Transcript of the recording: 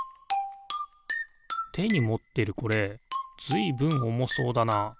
てにもってるこれずいぶんおもそうだな。